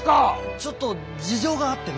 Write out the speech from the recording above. ちょっと事情があってな。